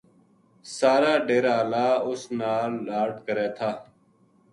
سارا ڈیرا ہالا اس نال لاڈ کرے تھا